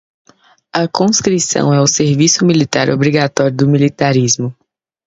A conscrição é o serviço militar obrigatório do militarismo